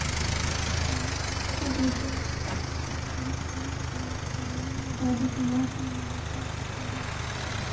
چینی super computer summit پانچ lakh trillion اعدادوشمار فی منٹ کر سکتا ہے